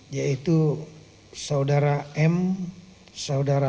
yaitu saudara m saudara h kemudian saudara m